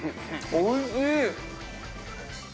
おいしい！